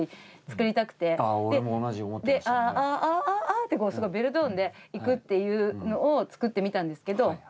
「あ」ってこうすごいベルトーンでいくっていうのを作ってみたんですけど。